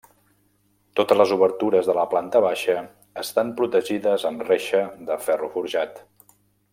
Totes les obertures de la planta baixa estan protegides amb reixa de ferro forjat.